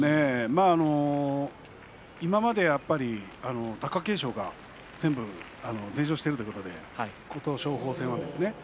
今までやっぱり貴景勝が全勝しているということで琴勝峰戦はですね